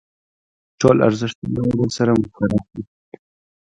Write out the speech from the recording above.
ټول ارزښتونه یې درسره مشترک دي.